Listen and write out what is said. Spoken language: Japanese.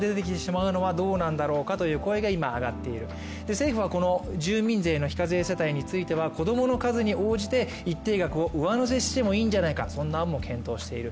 政府はこの住民税の非課税世帯については子供の数に応じて一定額を上乗せしていいんじゃないかそんな案も検討している。